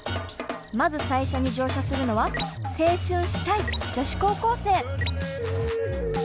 まず最初に乗車するのは青春したい女子高校生。